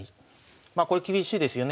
まあこれ厳しいですよね